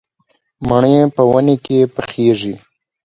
مڼې په ونې کې پخېږي